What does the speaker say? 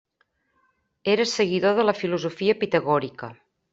Era seguidor de la filosofia pitagòrica.